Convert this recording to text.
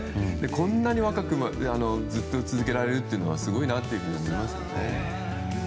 こんなに若くずっとい続けられることはすごいなと思いますね。